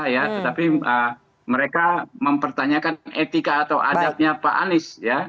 tetapi mereka mempertanyakan etika atau adatnya pak anies